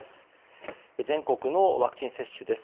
全国のワクチン接種です。